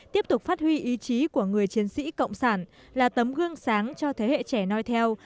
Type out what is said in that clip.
tiếp tục phát huy ý chí của người chiến sĩ cộng sản là tấm gương sáng cho thế hệ trẻ nói theo